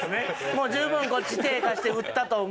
もう十分こっち手貸して売ったと思うんです。